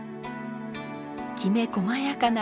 きめこまやかな表面。